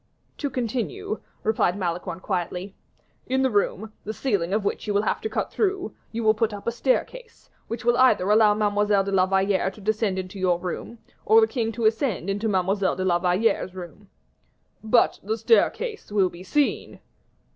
"To continue," replied Malicorne, quietly, "in the room, the ceiling of which you will have cut through, you will put up a staircase, which will either allow Mademoiselle de la Valliere to descend into your room, or the king to ascend into Mademoiselle de la Valliere's room." "But the staircase will be seen."